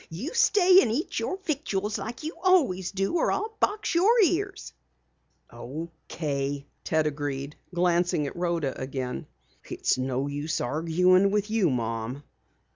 You stay and eat your victuals like you always do, or I'll box your ears." "Okay," Ted agreed, glancing at Rhoda again. "It's no use arguing with you, Mom."